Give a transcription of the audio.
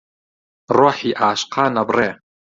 ڕۆحی عاشقان ئەبڕێ